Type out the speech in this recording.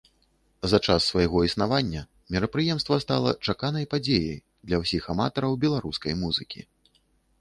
За час свайго існавання мерапрыемства стала чаканай падзеяй для ўсіх аматараў беларускай музыкі.